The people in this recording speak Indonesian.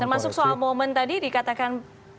termasuk soal momen tadi dikatakan